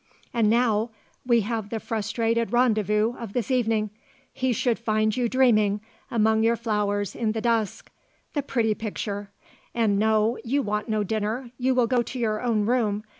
And now we have the frustrated rendezvous of this evening; he should find you dreaming, among your flowers, in the dusk. The pretty picture. And no, you want no dinner; you will go to your own room.